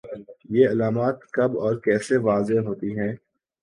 یہ علامات کب اور کیسے واضح ہوتی ہیں